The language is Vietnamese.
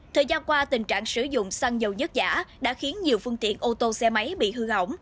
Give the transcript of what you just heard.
thời gian qua tình trạng sử dụng xăng dầu nhất giả đã khiến nhiều phương tiện ô tô xe máy bị hư hỏng